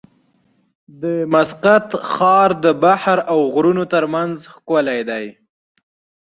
د مسقط ښار د بحر او غرونو ترمنځ ښکلی دی.